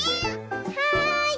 はい。